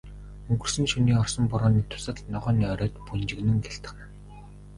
Өнгөрсөн шөнийн орсон борооны дусал ногооны оройд бөнжгөнөн гялтганана.